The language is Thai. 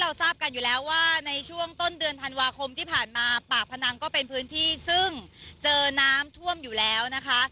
ทราบกันอยู่แล้วว่าในช่วงต้นเดือนธันวาคมที่ผ่านมาปากพนังก็เป็นพื้นที่ซึ่งเจอน้ำท่วมอยู่แล้วนะคะ